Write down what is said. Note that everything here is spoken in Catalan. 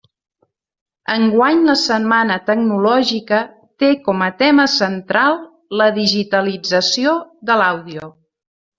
Enguany la setmana tecnològica té com a tema central la digitalització de l'àudio.